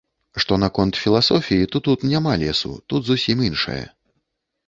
Што наконт філасофіі, то тут няма лесу, тут зусім іншае.